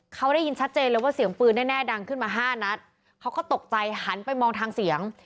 เขาได้ยินชัดเจนเลยว่าเสียงปืนแน่ดังขึ้นมาห้านัดเขาก็ตกใจหันไปมองทางเสียง